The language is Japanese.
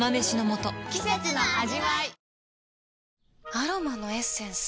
アロマのエッセンス？